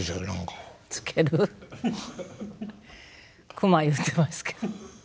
クマ言うてますけど。